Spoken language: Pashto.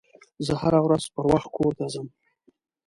زه هره ورځ پروخت کور ته ځم